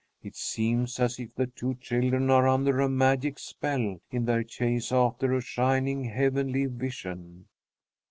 It seems as if the two children are under a magic spell in their chase after a shining heavenly vision.